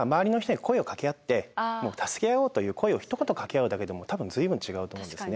なのでもう助け合おうという声をひと言かけ合うだけでも多分随分違うと思うんですね。